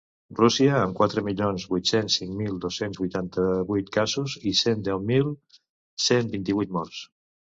Rússia, amb quatre milions vuit-cents cinc mil dos-cents vuitanta-vuit casos i cent deu mil cent vint-i-vuit morts.